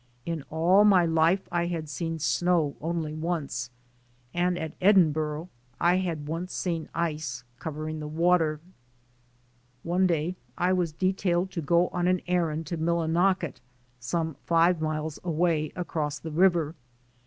In all my life I had seen snow only once, and at Edinburgh I had once seen ice covering the water. One day I was detailed to go on an errand to Millinocket, some five miles away, across the river.